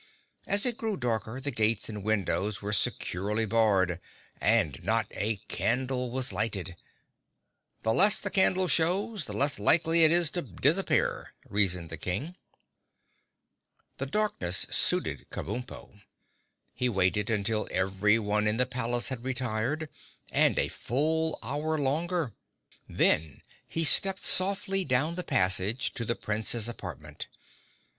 As it grew darker the gates and windows were securely barred and not a candle was lighted. "The less the castle shows, the less likely it is to disappear," reasoned the King. The darkness suited Kabumpo. He waited until everyone in the palace had retired, and a full hour longer. Then he stepped softly down the passage to the Prince's apartment.